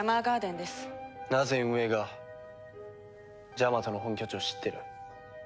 なぜ運営がジャマトの本拠地を知ってる？